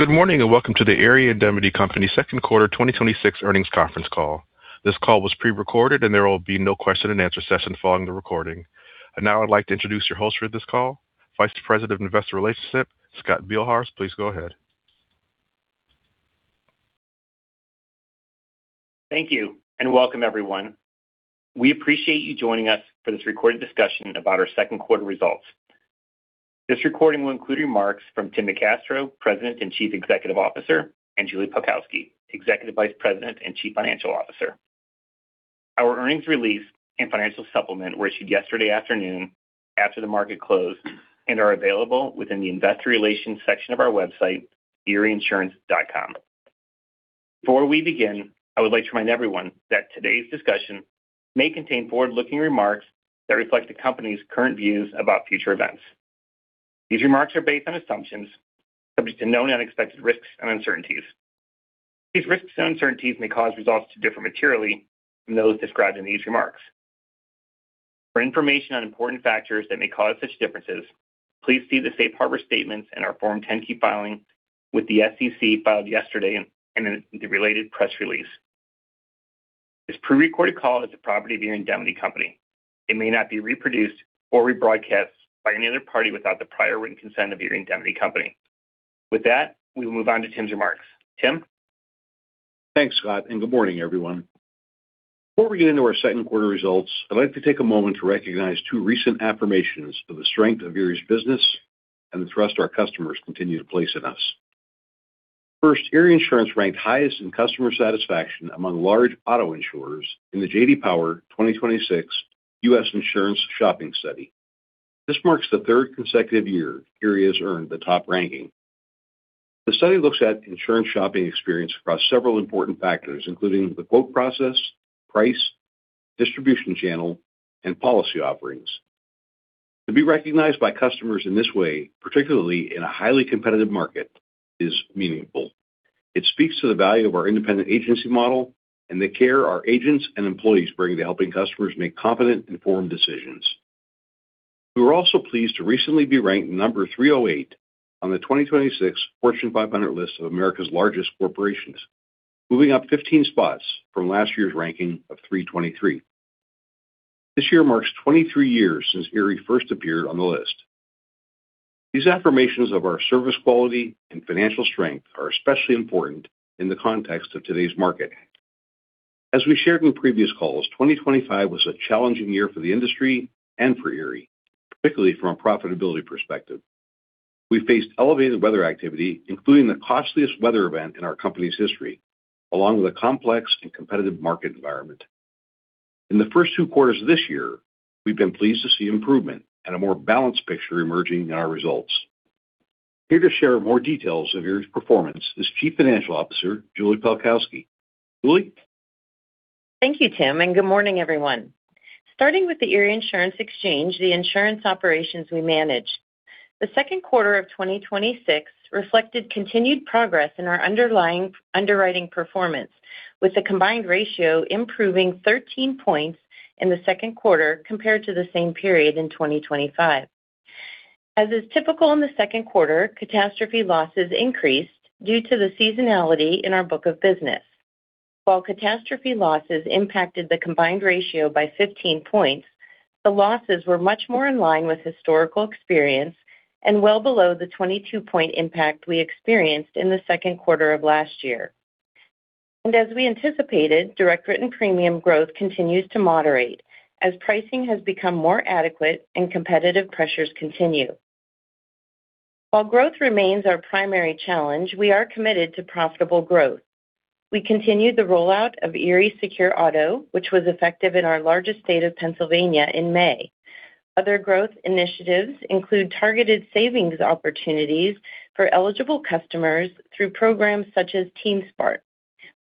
Good morning. Welcome to the Erie Indemnity Company second quarter 2026 earnings conference call. This call was pre-recorded. There will be no question and answer session following the recording. I'd like to introduce your host for this call, Vice President of Investor Relations, Scott Beilharz. Please go ahead. Thank you. Welcome everyone. We appreciate you joining us for this recorded discussion about our second quarter results. This recording will include remarks from Tim NeCastro, President and Chief Executive Officer, and Julie Pelkowski, Executive Vice President and Chief Financial Officer. Our earnings release and financial supplement were issued yesterday afternoon after the market closed. Are available within the investor relations section of our website, erieinsurance.com. Before we begin, I would like to remind everyone that today's discussion may contain forward-looking remarks that reflect the company's current views about future events. These remarks are based on assumptions subject to known unexpected risks and uncertainties. These risks and uncertainties may cause results to differ materially from those described in these remarks. For information on important factors that may cause such differences, please see the safe harbor statements in our Form 10-K filing with the SEC filed yesterday. In the related press release, this prerecorded call is the property of the Indemnity Company. It may not be reproduced or rebroadcast by any other party without the prior written consent of Erie Indemnity Company. With that, we will move on to Tim's remarks. Tim? Thanks, Scott. Good morning everyone. Before we get into our second quarter results, I'd like to take a moment to recognize two recent affirmations of the strength of Erie's business and the trust our customers continue to place in us. First, Erie Insurance ranked highest in customer satisfaction among large auto insurers in the J.D. Power 2026 U.S. Insurance Shopping Study. This marks the third consecutive year Erie has earned the top ranking. The study looks at insurance shopping experience across several important factors, including the quote process, price, distribution channel, and policy offerings. To be recognized by customers in this way, particularly in a highly competitive market, is meaningful. It speaks to the value of our independent agency model and the care our agents and employees bring to helping customers make confident, informed decisions. We were also pleased to recently be ranked number 308 on the 2026 Fortune 500 list of America's largest corporations, moving up 15 spots from last year's ranking of 323. This year marks 23 years since Erie first appeared on the list. These affirmations of our service quality and financial strength are especially important in the context of today's market. As we shared in previous calls, 2025 was a challenging year for the industry and for Erie, particularly from a profitability perspective. We faced elevated weather activity, including the costliest weather event in our company's history, along with a complex and competitive market environment. In the first two quarters of this year, we've been pleased to see improvement and a more balanced picture emerging in our results. Here to share more details of Erie's performance is Chief Financial Officer, Julie Pelkowski. Julie? Thank you, Tim, good morning, everyone. Starting with the Erie Insurance Exchange, the insurance operations we manage. The second quarter of 2026 reflected continued progress in our underlying underwriting performance, with the combined ratio improving 13 points in the second quarter compared to the same period in 2025. As is typical in the second quarter, catastrophe losses increased due to the seasonality in our book of business. While catastrophe losses impacted the combined ratio by 15 points. The losses were much more in line with historical experience and well below the 22-point impact we experienced in the second quarter of last year. As we anticipated, direct written premium growth continues to moderate as pricing has become more adequate and competitive pressures continue. While growth remains our primary challenge, we are committed to profitable growth. We continued the rollout of Erie Secure Auto, which was effective in our largest state of Pennsylvania in May. Other growth initiatives include targeted savings opportunities for eligible customers through programs such as teenSMART,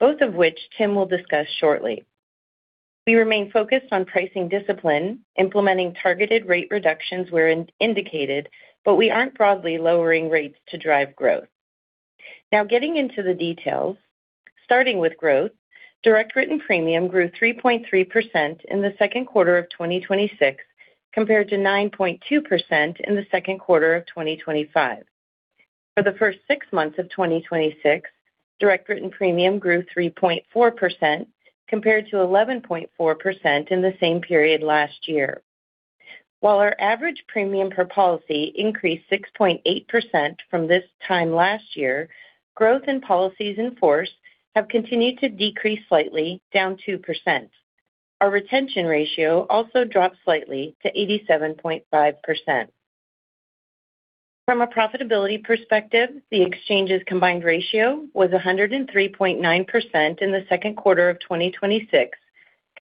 both of which Tim will discuss shortly. We remain focused on pricing discipline, implementing targeted rate reductions where indicated, we aren't broadly lowering rates to drive growth. Getting into the details, starting with growth, direct written premium grew 3.3% in the second quarter of 2026 compared to 9.2% in the second quarter of 2025. For the first six months of 2026, direct written premium grew 3.4% compared to 11.4% in the same period last year. While our average premium per policy increased 6.8% from this time last year, growth in policies in force have continued to decrease slightly, down 2%. Our retention ratio also dropped slightly to 87.5%. From a profitability perspective, the Exchange's combined ratio was 103.9% in the second quarter of 2026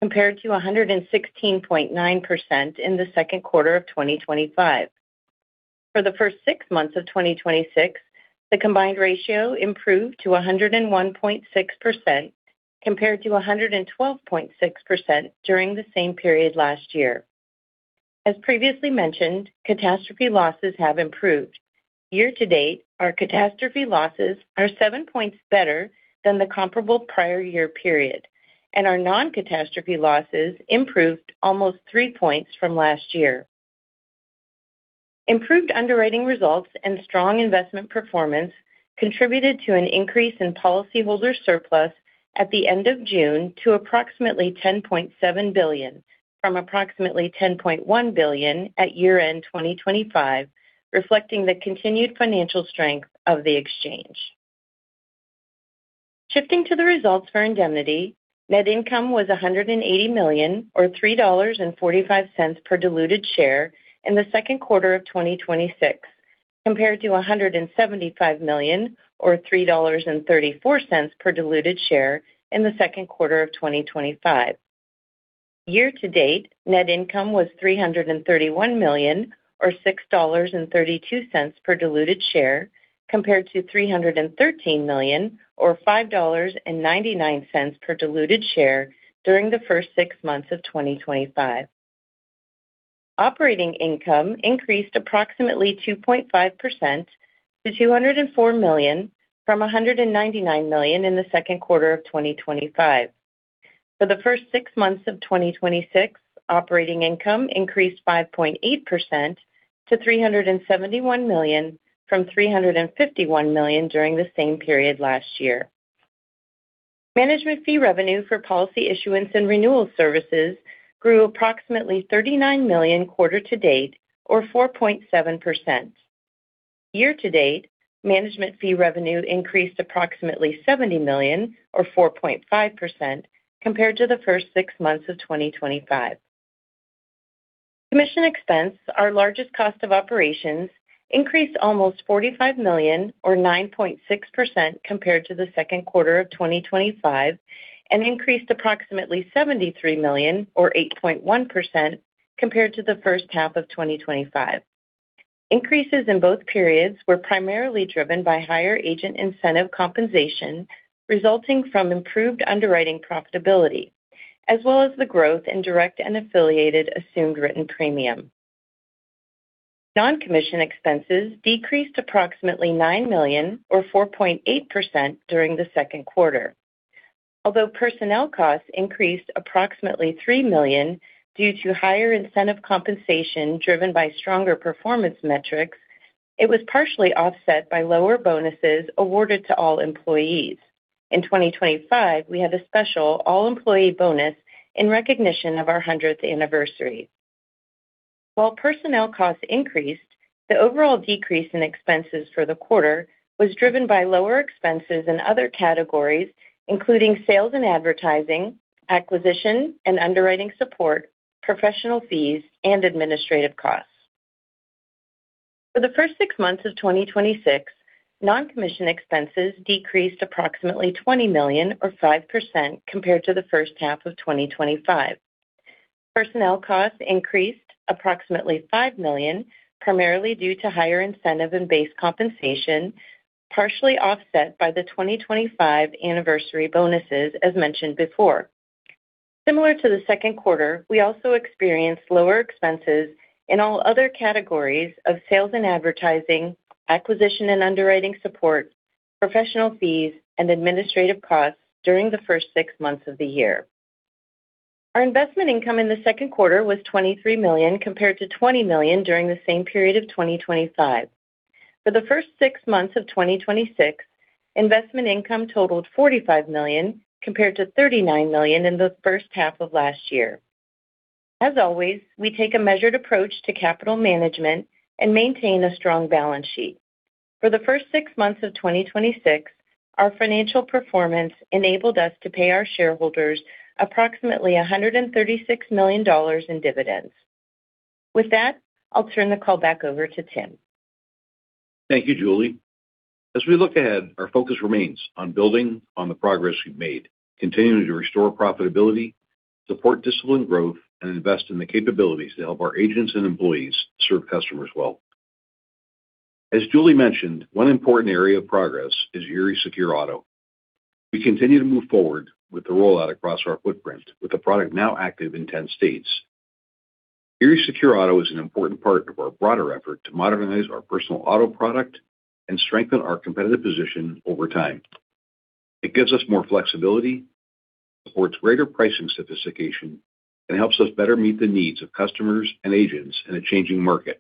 compared to 116.9% in the second quarter of 2025. For the first six months of 2026, the combined ratio improved to 101.6% compared to 112.6% during the same period last year. As previously mentioned, catastrophe losses have improved. Year to date, our catastrophe losses are seven points better than the comparable prior year period, and our non-catastrophe losses improved almost three points from last year. Improved underwriting results and strong investment performance contributed to an increase in policyholder surplus at the end of June to approximately $10.7 billion from approximately $10.1 billion at year-end 2025, reflecting the continued financial strength of the Exchange. Shifting to the results for Indemnity, net income was $180 million, or $3.45 per diluted share in the second quarter of 2026, compared to $175 million or $3.34 per diluted share in the second quarter of 2025. Year-to-date, net income was $331 million or $6.32 per diluted share, compared to $313 million or $5.99 per diluted share during the first six months of 2025. Operating income increased approximately 2.5% to $204 million from $199 million in the second quarter of 2025. For the first six months of 2026, operating income increased 5.8% to $371 million from $351 million during the same period last year. Management fee revenue for policy issuance and renewal services grew approximately $39 million quarter-to-date or 4.7%. Year-to-date, management fee revenue increased approximately $70 million or 4.5% compared to the first six months of 2025. Commission expense, our largest cost of operations, increased almost $45 million or 9.6% compared to the second quarter of 2025, and increased approximately $73 million or 8.1% compared to the first half of 2025. Increases in both periods were primarily driven by higher agent incentive compensation resulting from improved underwriting profitability, as well as the growth in direct and affiliated assumed written premium. Non-commission expenses decreased approximately $9 million or 4.8% during the second quarter. Although personnel costs increased approximately $3 million due to higher incentive compensation driven by stronger performance metrics, it was partially offset by lower bonuses awarded to all employees. In 2025, we had a special all-employee bonus in recognition of our 100th anniversary. While personnel costs increased, the overall decrease in expenses for the quarter was driven by lower expenses in other categories, including sales and advertising, acquisition and underwriting support, professional fees and administrative costs. For the first six months of 2026, non-commission expenses decreased approximately $20 million or 5% compared to the first half of 2025. Personnel costs increased approximately $5 million, primarily due to higher incentive and base compensation, partially offset by the 2025 anniversary bonuses as mentioned before. Similar to the second quarter, we also experienced lower expenses in all other categories of sales and advertising, acquisition and underwriting support, professional fees and administrative costs during the first six months of the year. Our investment income in the second quarter was $23 million, compared to $20 million during the same period of 2025. For the first six months of 2026, investment income totaled $45 million, compared to $39 million in the first half of last year. As always, we take a measured approach to capital management and maintain a strong balance sheet. For the first six months of 2026, our financial performance enabled us to pay our shareholders approximately $136 million in dividends. With that, I'll turn the call back over to Tim. Thank you, Julie. As we look ahead, our focus remains on building on the progress we've made, continuing to restore profitability, support disciplined growth, and invest in the capabilities to help our agents and employees serve customers well. As Julie mentioned, one important area of progress is Erie Secure Auto. We continue to move forward with the rollout across our footprint, with the product now active in 10 states. Erie Secure Auto is an important part of our broader effort to modernize our personal auto product and strengthen our competitive position over time. It gives us more flexibility, supports greater pricing sophistication, and helps us better meet the needs of customers and agents in a changing market.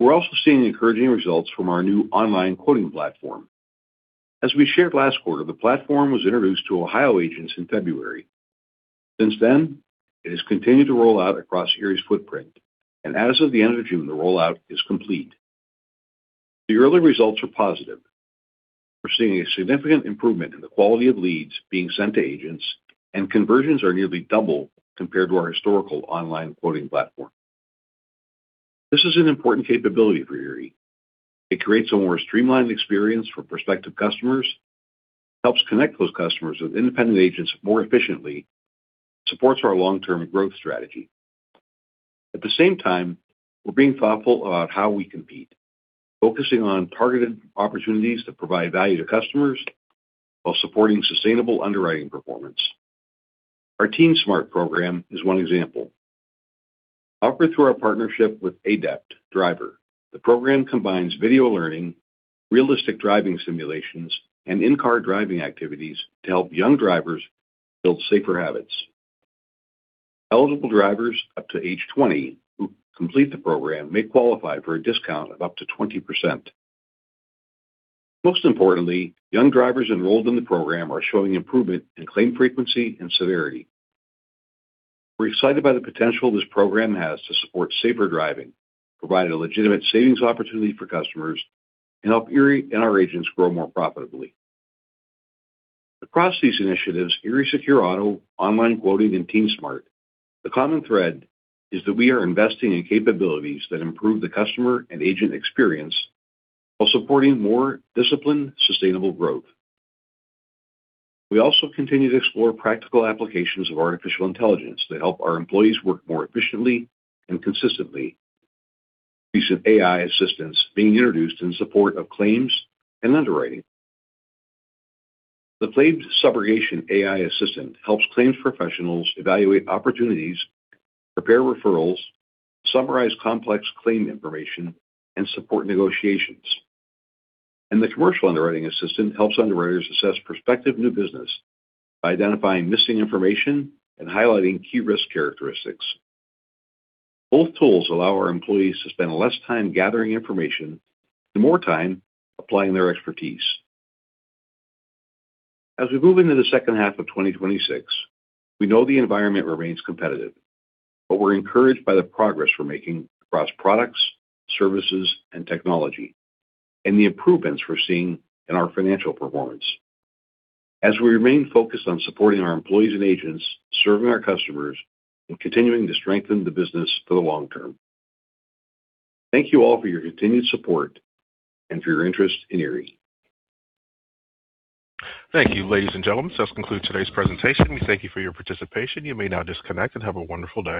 We're also seeing encouraging results from our new online quoting platform. As we shared last quarter, the platform was introduced to Ohio agents in February. It has continued to roll out across Erie's footprint, and as of the end of June, the rollout is complete. The early results are positive. We're seeing a significant improvement in the quality of leads being sent to agents, and conversions are nearly double compared to our historical online quoting platform. This is an important capability for Erie. It creates a more streamlined experience for prospective customers, helps connect those customers with independent agents more efficiently, and supports our long-term growth strategy. At the same time, we're being thoughtful about how we compete, focusing on targeted opportunities to provide value to customers while supporting sustainable underwriting performance. Our teenSMART program is one example. Offered through our partnership with Adept Driver, the program combines video learning, realistic driving simulations, and in-car driving activities to help young drivers build safer habits. Eligible drivers up to age 20 who complete the program may qualify for a discount of up to 20%. Most importantly, young drivers enrolled in the program are showing improvement in claim frequency and severity. We're excited by the potential this program has to support safer driving, provide a legitimate savings opportunity for customers, and help Erie and our agents grow more profitably. Across these initiatives, Erie Secure Auto, online quoting, and teenSMART, the common thread is that we are investing in capabilities that improve the customer and agent experience while supporting more disciplined, sustainable growth. We also continue to explore practical applications of artificial intelligence to help our employees work more efficiently and consistently. Recent AI assistants being introduced in support of claims and underwriting. The claims subrogation AI assistant helps claims professionals evaluate opportunities, prepare referrals, summarize complex claim information, and support negotiations. The commercial underwriting assistant helps underwriters assess prospective new business by identifying missing information and highlighting key risk characteristics. Both tools allow our employees to spend less time gathering information and more time applying their expertise. As we move into the second half of 2026, we know the environment remains competitive, but we're encouraged by the progress we're making across products, services, and technology, and the improvements we're seeing in our financial performance as we remain focused on supporting our employees and agents, serving our customers, and continuing to strengthen the business for the long term. Thank you all for your continued support and for your interest in Erie. Thank you, ladies and gentlemen. This concludes today's presentation. We thank you for your participation. You may now disconnect and have a wonderful day.